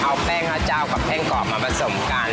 เอาแป้งข้าวเจ้ากับแป้งกรอบมาผสมกัน